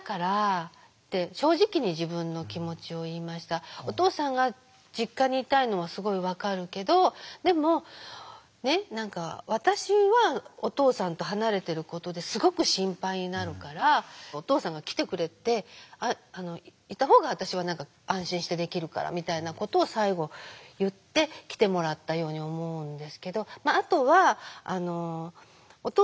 最終的には「お父さんが実家にいたいのはすごい分かるけどでも私はお父さんと離れてることですごく心配になるからお父さんが来てくれていたほうが私は安心してできるから」みたいなことを最後言って来てもらったように思うんですけど。